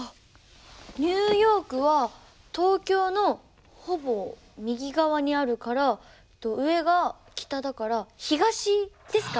ニューヨークは東京のほぼ右側にあるから上が北だから東ですか？